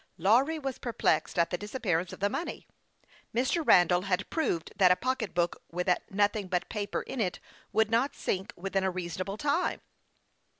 Lawry was perplexed at the disappearance of the money. Mr. Randall had proved that a pocketbook with nothing but paper in it would not sink within a reasonable time.